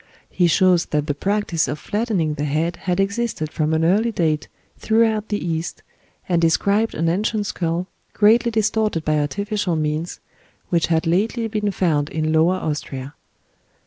He shows that the practice of flattening the head had existed from an early date throughout the East, and described an ancient skull, greatly distorted by artificial means, which had lately been found in Lower Austria.